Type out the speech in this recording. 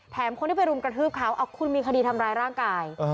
คนที่ไปรุมกระทืบเขาคุณมีคดีทำร้ายร่างกาย